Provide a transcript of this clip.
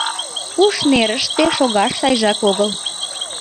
— Пуш нерыште шогаш сайжак огыл.